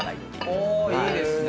おいいですね。